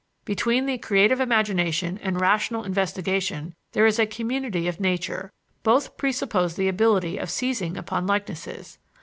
Between the creative imagination and rational investigation there is a community of nature both presuppose the ability of seizing upon likenesses.